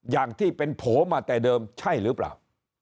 อย่างที่เป็นโผล่มาแต่เดิมใช่หรือเปล่า